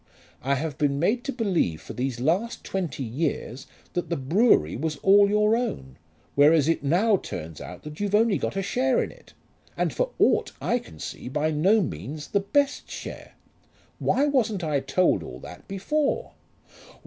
I have been made to believe for these last twenty years that the brewery was all your own, whereas it now turns out that you've only got a share in it, and for aught I can see, by no means the best share. Why wasn't I told all that before?"